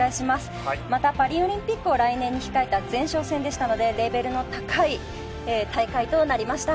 またパリオリンピックを来年に控えた前哨戦でしたのでレベルの高い大会となりました。